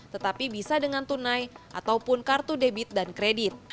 tetapi bisa dengan tunai ataupun kartu debit dan kredit